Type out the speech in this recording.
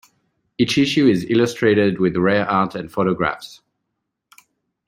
Each issue is illustrated with rare art and photographs.